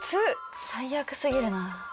最悪すぎるな。